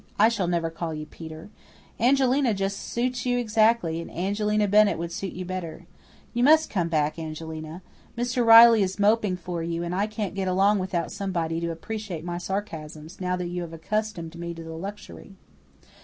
I shall never call you Peter. Angelina just suits you exactly; and Angelina Bennett would suit you still better. You must come back, Angelina. Mr. Riley is moping for you, and I can't get along without somebody to appreciate my sarcasms, now that you have accustomed me to the luxury."